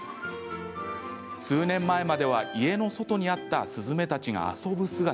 数年前までは家の外にあったスズメたちが遊ぶ姿。